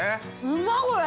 うまっこれ！